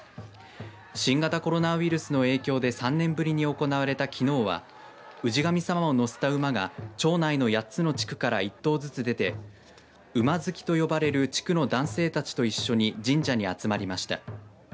新型コロナウイルスの影響で３年ぶりに行われたきのうは氏神様を乗せた馬が町内の８つの地区から１頭ずつ出て馬付きと呼ばれる地区の男性たちと一緒に神社に集まりました。